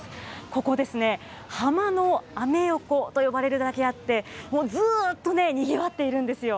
ここ、ハマのアメ横と呼ばれるだけあって、もうずっとね、にぎわっているんですよ。